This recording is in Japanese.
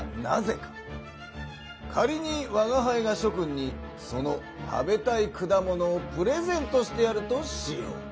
かりにわがはいがしょ君にその食べたい果物をプレゼントしてやるとしよう。